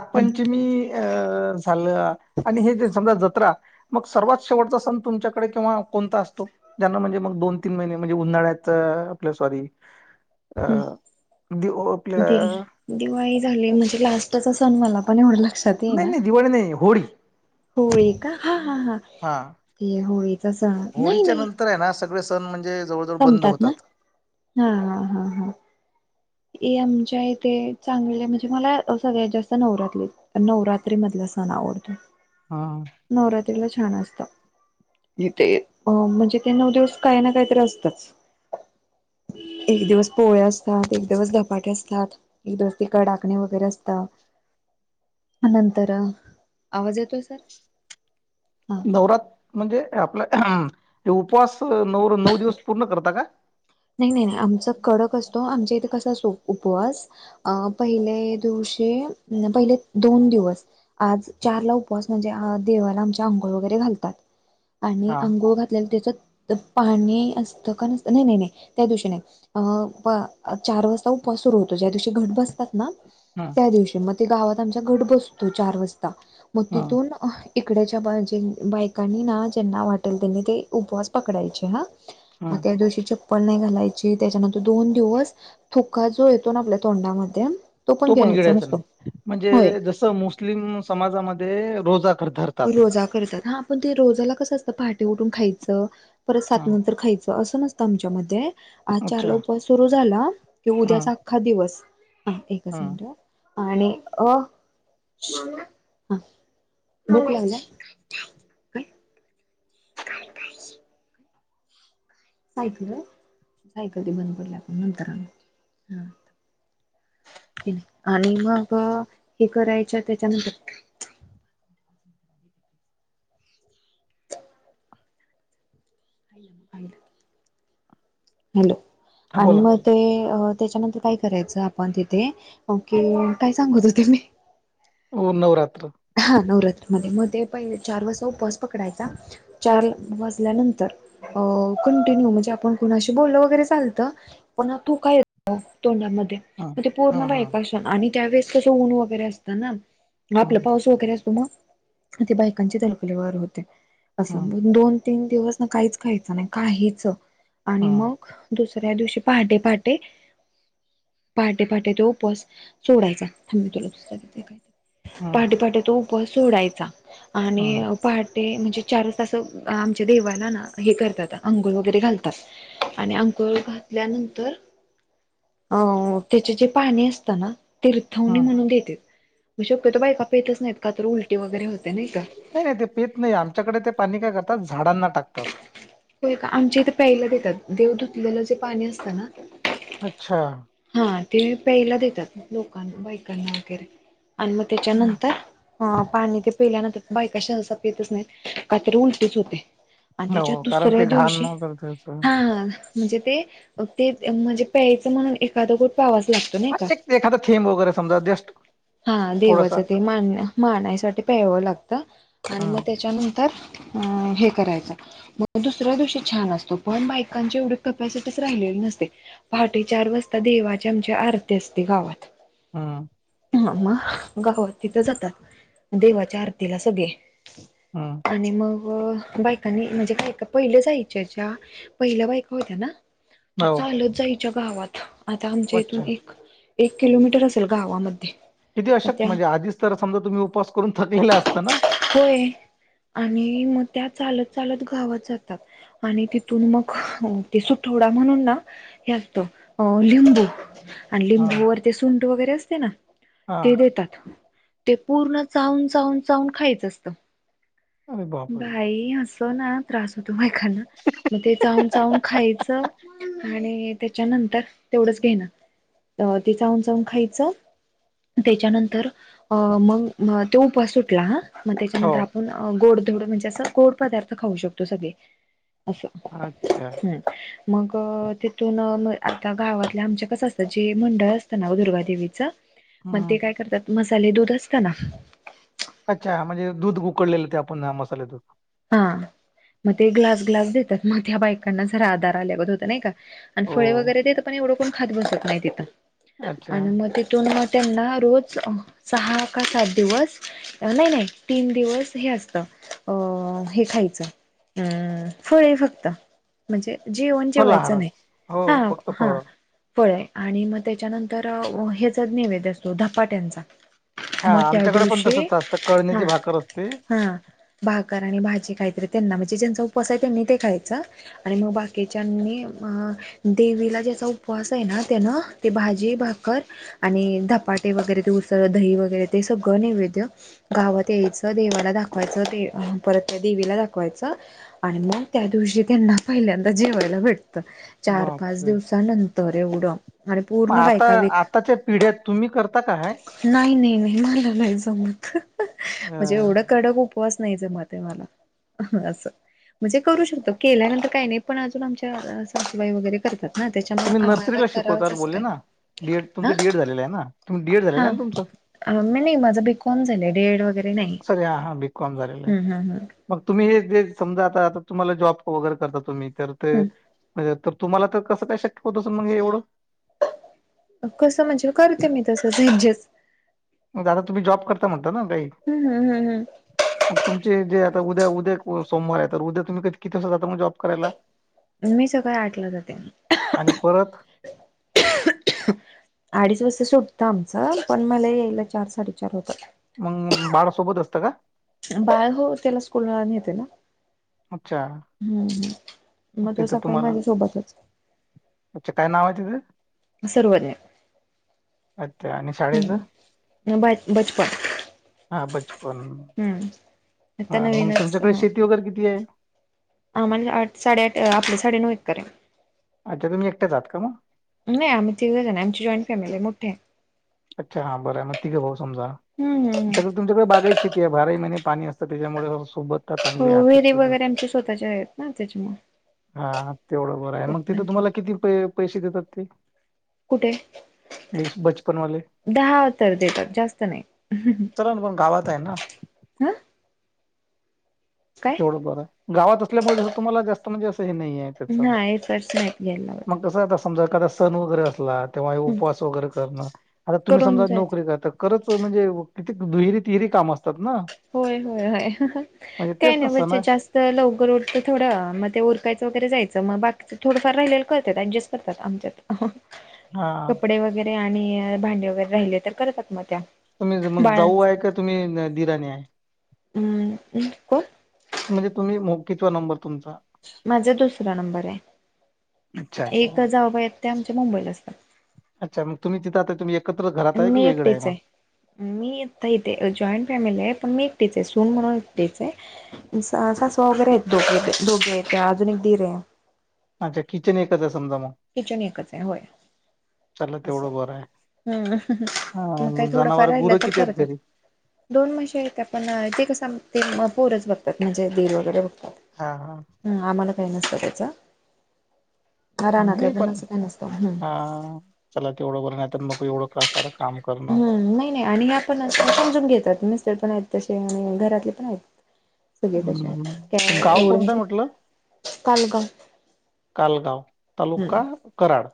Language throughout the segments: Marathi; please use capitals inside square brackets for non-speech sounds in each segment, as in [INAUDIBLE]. दरवाजे अं झालं आणि हे ज समजा जत्रा मग सर्वात शेवटचा सण तुमच्याकडे किंवा कोणता असतो ज्यांना म्हणजे मग दोन तीन महिने म्हणजे उन्हाळ्यात आपल्या सॉरी अ आपल्या झाले म्हणजे लास्टचा सण मला पण वढला नाही नाही दिवाळी नाही होळी होळी का हा हा हा ते होळीचा सण नाही नाही न म्हणजे जवळजवळ बंद संपतात ना होतात. हा हा हा हा ए आमच्या इथे चांगले म्हणजे मला सगळ्यात जास्त नवरात्री नवरात्री मधला सांग बनावडत हा. नवरात्रीला छान असत इथे म्हणजे ते नऊ दिवस काही ना काहीतरी असतच ह एक दिवस पोळे असतात एक दिवस झपाटे असतात एक दिवस ते कडाकणे वगैरे असतात नंतर आवाज येतोय सर हा नवरात म्हणजे आपला उपवास न नऊ दिवस पूर्ण करता का नाही नाही नाही आमच कडक असतो आमच्या इथं कसत प प दिव प दोन दिवस आज चारला उपवास म्हणजे देवाला आमच्या आंघोळ वगैरे घालतात आणि हा अंघोळ घातलेला त्याच पाणी असतं का नसत नाही नाही नाही त्या दिवशी नाही अ चार वाजता उप सुरू होतो ज्या दिवशी घट बसतात ना हा त्या दिवशी मग ते गावात आमचा घट बसतो चार वाजता मग हा तिथून इकडेच्या बा जे बायकांनी ना ज्यांना वाटेल त्यांनी ते उपवास पकडायचे हा हा. मदोश घालायची त्याच्यानंतर दोन दिवस थुका जो येतो ना आपल्या तोंडामध्ये तो पण गिडयचा नाही होय म्हणजे जस मुस्लिम समाजामध्ये रोजा कर धरतात रोजा करतात हा आपण ते रोजाला कसं असतं पहाटी उठून खायचं परत सात हं, नंतर खायचं असं नसतं आमच्या मध्ये आज अच्छा चारला उपस सुरू झाला की हं, उद्याचा अख्खा दिवस हा एकच हं. मिनट आणि अ ह बला काय काय सायकल सायकल ते बंद पडली आपण नंतर हा आणि मग हे करायच त्याच्यानंतर हॅलो हा आणि बोला मग ते त्याच्यानंतर काय करायचं आपण तिथे ओके काय सांगत होते मी हो नवरराात नवरात्र मध्ये मध्ये पहि चार वाजता उपवास पकडायचा चार वाजल्यानंतर अ कंटिन्यू म्हणजे आपण कोणाशी बोलल वगैरे चालतं पण तू काय येत तोंडामध्ये हं, मग ते पूर्ण हं, बाय हं, अस आणि त्यावेळेस कसं ऊन वगैरे असतं ना. हम! गैर असो ते बायकांची लकले वार होते अस हं, दोन. तीन दिवस ना काहीच खायच नाही काहीच आणि हं, मग दुसर ऱ्या दिवशी पहाटे पहाटे पहाटे पहाटे ते उपस सोडायचा. थांब मी तुला सांगते. हं, पहाटे पहाटे तो उपवास सोडायचा आणि हं, पा ते म्हणजे चारच तासं आमच्या देवाला ना हे करतात अंघोळ वगैरे घालतात आणि गळ घातल्यानंतर अ त्याचे जे पाणी असत ना तीर्थवनी हं. म्हणून देतेेत शक्यतो बायका प येतच नाहीत का तर उलटी वगैरे होते नाही का. नाही नाही ते पीत नाही आमच्याकडे ते पाणी काय करतात. झाडांना टाकतात होय का आमच्या इथे प्याला देतात देव धुतलेलं जे पाणी असतं ना. अच्छा! हा ते प्यायला देतात लोकां बायकांना वगैरे आणि मग हं. त्याच्यानंतर ह पाणी ते पेल्यानंतर बायका शहसा प येतच नाही का तर उलटीच होते. आणि त्याच्या हो कारण दुसऱ्या ते घाण दिवशी वगैरे त्याचं हा म्हणजे ते. ते म्हणजे प्यायचं म्हण एखाद गोष्ट एखादा थेंब वगैरे समजा जस्ट हा थोडासा देवाचं ते मान मानायसाठी प्याळावं लागतं आणि मग हं, त्याच्यानंतर ह हे.. करायचा मगं दुसऱ्या दिवशी छान असतो पण बायकांची एवढी कॅपॅसिटी च राहिलेली नसते. पहाटे चार वाजता देवाच्या आमच्या आरती असते गावात. हम! ह मग गावात तिथं जातात देवाच्या आरतीला सगळे. हं. आणि मग बायकांनी म्हणजे काय का पहिलं जायच्या ज्या पहिल्या बायका होत्या ना. त्या हो चालत जायच्या गावात आता आमच्या इथून अच्छा एक एक किलोमीटर असेल गावामध्ये किती मग अशक त्या म्हणजे आधीच तर समजा तुम्ही उपवास करून थकलेलं असता ना. होय आणि मग त्या चालत चालत गावात जातात. आणि तिथून मग ते सुठोडा म्हणून ना हे असत अ लिंबू आणि हा लिंबूवर ते सुंट वगैरे असते ना हा ते देतात. ते पूर्ण चावून चावून चावून खायचं असत अरे बापरे बाई अस. ना त्रास होतो बायकांना मग ते चाहून चाहून खायचं. आणि त्याच्यानंतर तेवढंच घेण ते चाऊन चाऊन खायचं. त्याच्यानंतर अ मग तो उपवास सुटला. मग हो त्याच्यानंतर आपण गोडधोड म्हणजे असं गोड पदार्थ खाऊ शकतो सगळे. असं अच्छा हम्. मग तिथून आता गावातल्या आमच्या कसं असतं जे मंडळ असतं ना दुर्गादेवीचं मग ते हम्म काय करतात मसाले दूध असत ना. अच्छा म्हणजे दूध उकडलेलं ते आपण मसाले दूध हा मग ते ग्लास ग्लास देतात मग त्या बायकांना जरा आधार आल्यागत होता नाही का. आणि हो फळे वगैरे द पण एवढकून खात बसत नाही तिथ अच्छा मग तिथून त्यांना रोज सहा का सात दिवस नाही नाही तीन दिवस हे असतं. अ हे खायचं अम फळे फक्त म्हणजे. जेवण फलाहार जेवायचं नाही हो हा फक्त हा. फळ फळ आहे आणि मग त्याच्यानंतर ह्याचाच नैवेद असतो धपाट्यांचा. हा मोठ्या आमच्याकडे पण दिवशी तसंच असतं हा कळण्याची भाकर असते हा बाग. आणि भाजी त्यांना म्हणजे ज्यांचा उपवास आहे त्यांनी ते खायच आणि मग बाकीच्यानी. देवीला ज्याचा उपवास आहे ना त्यान ते भाजी भाकर आणि धपाटे वगैरे ग ते उस दही वगैरे ते सगळं नैवेद्य गावात यायचं देवाला दाखवायचं ते परत त्या देवीला दाखवायच आणि मग त्या दिवशी त्यांना पहिल्यांदा जेवायला भेटत चार पाच बापरे दिवसानंतर एवढं आणि मग पूर्ण आता बायका आताच्या पिढ्यात तुम्ही करता का हय नाही नाही नाही मला नाही जमत म्हणजे अं, एवढं कडक उपवास नाही जमत देवाला ह असं म्हणजे करू शकतो केल्यानंतर काही नाही पण अजून आमच्या सासूबाई वगैरे करतात हा त्याच्यामुळे तुम्ही आम्हाला नर्सरीला करावंच शिकवताल असं बोलले काही ना डीएड ह तुमचं डीएड झालेलं आहे ना तुम्ही डीएड झालेलं हा आहे ना तुमचं मी नाही माझं बी कॉम झालंय डीएड वगैरे नाही सर हा हा बी कॉम झालेलं आहे हम्म हम्म हम्म मग तुम्ही हे ज समजा आता तुम्हाला जॉब वगैरे करता तुम्ही तर ते हम्म म्हणजे तुम्हाला तर कसं काय शक्य होतसं मगे एवढं कसं म्हणजे करते मी तस ऐडजस्ट दादा तुम्ही जॉब करता म्हणता ना काही हम्म हम्म हम्म मग तुमचे जे उद्या उद्या सोमवार आहे तर उद्या तुम् क कती दिसाता मग जॉब करायला मी सकाळ आठलं जाते आणि परत [UNINTELLIGIBLE] अडीच वाजता सुटतं आमचं पण मला यायला चार साडेचार होत. मग बाळ सोबत असतं का. बाळ हो त्याला स्कूल वून येते ना. अच्छा हम्म हम् मग तो तिथं सकाळी तुम्हाला माझ्या सोबतच. अच्छा काय नाव आहे तिथं अच्छा आणि शाळेचं. हम्म ब बचपन. हा बचपन हम्म आता हा मग नवीनच तुमच्याकडे शेती वगैरे किती आहे हा म्ह आठ साडे आठ आपले साडे नऊ एकर आहे अच्छा तुम्ही एकट्याच आहात का मग नाही आम्ही तिकडे जा आमची जॉईंट फॅमिली आहे मोठे अच्छा हा बर मग तिघं भाऊ समजा हम्म हम्म सगळं तुमच्याकडे बागायती शेती ते बाराही महिने पाणी असतं त्याच्यामुळे सोबत हो चांगली आहे, आर्थिक विहीर सोबत वगैरे आमच्या स्वतःच्या आहेत ना त्याच्यामु हा तेवढं बरं आहे मग तिथं तुम्हाला किती प पैसे देतात ते कुठे हे बचपनवाले दहा तर देतात जास्त नाही चला ना पण गावात आहे ना हा. तेवढच बरं गावात असल्यामुळे जसं तुम्हाला जास्तना जास्त. नाही त्या नाही एकच नाही घ्यायला लावत मग कस. सण वगैरे असला किंवा व हम्म उपवास वगैरे करणं आता तुम्ही करून समजा जायच नोकरी करता. खरंच म्हणजे किती दुहिरी तिहिरी काम असतात ना. होय होयय. म्हणजे काही तेच ना नाही सण ब आहे. जास्त लवकर उठतं थोडं मग ते ओरकायचं वगैरे जायचं. ग बाकी काय थोडंफार राहील हा कपडे वगैरे. आणि भांडे वगैरे राहिले तर करतात म. तुम्ही मग जाऊ आहे का तुम्ही दिराणी आहे. हम् हम् कोण. म्हणजे तुम्ही मोकीचा नंबर तुमचा. माझा दुसरा नंबर आहे. अच्छा एक अच्छा जाऊबाई आहेतेत ते आमच्या मुंबईला असतात. अच्छा मग तुम्ही तिथं आता तुम्ही एकत्र घरात आहे की मी वेगळं आहे एकटीच मग आहे मी इ इथे जॉईंट फॅमिली आहे पण मी. तीच आहे सून म्हणूनच स सास वगैरे आहे दोघे दोघे अजून एक धरे. ह. अच्छा किचन एकच. समजा मग किचन एकच हय होय. चला असं, तेवढं बरं आहे हम्म मग काही हा थोडंफार जनावर राहिलं गुरं तर किती आहेत करतात. घरी दोन म्हशी हायत्या पण ते कस आम्ही. पोरचं बघतात, म्हणजे दीर वगैरे बघतात. हा हा हं आम्हाला काही नसतं. [UNINTELLIGIBLE] रानातलं नाही पण, असं काही नसतं हम्म. हा चला तेवढं बर नाहीतर नको एवढं काम करा हम्, नाही नाही आणि हया पणअशा समजून घेतात. मिस्तर पण आहेत तसे. हम्म घरातले पण आहेत. हम्म. तू गाव कोणतं आहे म्हटलं [UNINTELLIGIBLE] कालगाव, हम्म तालुका कराड.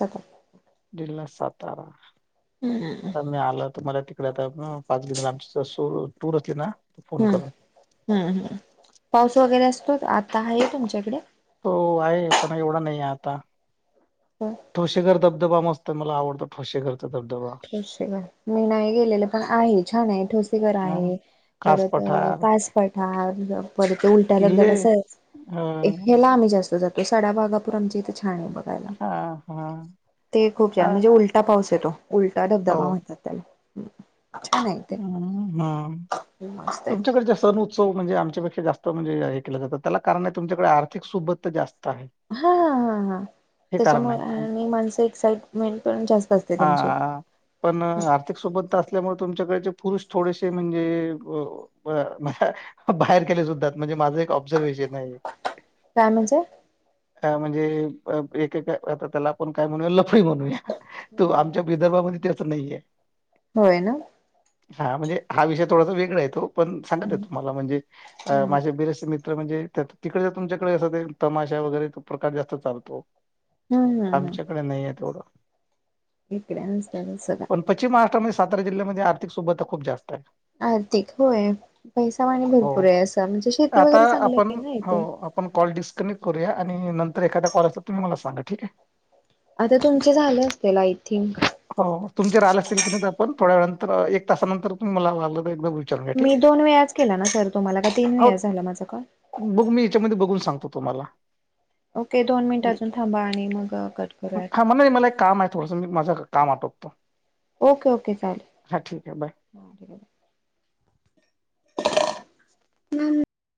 [UNINTELLIGIBLE] जिल्हा-सातारा. हम्म तर मी आला तर. [UNINTELLIGIBLE] असली ना फोन करून हम्मह हम पाऊस वगैरे असतोय का? आता आहे तुमच्याकडे? तो आहे पण एवढा नाही आता. ठोसेेघर धबधबा मस्त मला आवडतो ठोेसेघर. ठोसेघर मी नाही गेलेले पण आहे, छान आहे ठोसेघर हा आहे. कास परत पठार कासपठार परत उलटा किल्ले धबधबा सहज ह ह्याला आम्ही जास्त जातो. सडाभागापूर आमच्या इथे छान आहे बघायला हा हा ते खूप हा छान म्हणजे उलटा पाऊस तो उलटा धबधबा म्हणतात त्याला. छान आहे ते. हम्म्म मस्त आहे तुमच्याकडच्या सण उत्सव जे आमच्यापेक्षा जास्त म्हणे केल जातं त्याला कारण आहे तुमच्याकडे आर्थिक सोबत हा, हाहाहा. कारण त्याच्यामुळे आहे आम- आणि माणसं एक्साइटमेंट पण जास्त असते त्यांची. हा पण आर्थिक सुबत्ता असल्यामुळे तुमच्याकडचे पुरुष थोडेसे म्हणजे अ बाहेर केले जातात. माझ एक ऑब्झर्वेजेन है. काय म्हणजे अ म्हणजे एक एक आता त्याला आपण काय म्हणूया लफडी म्हणू. तो आमच्या विदर्भामध्ये त्याच नाहीये. होय न. हा म्हणजे हा विषय थोडासा वेगळा आहे येतो. पण सांगत य हम्म तुम्हाला म्हणजे माझ्या बि. म्हणजे तिकडे तुमच्याकडे असं तमाशा वगैरे तो प्रकार जास्त चालतो. हम्म हम्म आमच्याकडे नाही येत तो. इकडे असतात सदा. पण पश्चिम महाराष्ट्रामध्ये सातारा जिल्यामध्ये आर्थिक सुबत्ता खूप जास्त आहे. आर्थिक होय, पैसा पाणी हो. भरपूर आहे. असं म्हणजे शेती आता वगैरे चांगली आपण आहे ना हो, इथे. आपण कॉल डिस्कनेक्ट करूया आणि नंतर एखादा कॉल असेल तुम्ही मला सांगा ठीक हे. आता तुमचे झालं असतील आय थिंक हो तुमचे राहिला असे [UNINTELLIGIBLE] पण थोड्या वेळानंतर एक तासानंतर तुम्ही मला तर एकदम विचारून घ्या, ठीक मी आहे? दोन वेळाच केला ना सर तुम्हाला का तीन हो, वेळा झाला माझा कॉल. बघू मी याच्यामध्ये बघून सांगतो तुम्हाला. ओके दोन मिनिट अजून थांबा आणि मग कट करूयात [UNINTELLIGIBLE] काम आटपतो. Okay, okay. हा ठीक आहे बाय. चालेल [UNINTELLIGIBLE]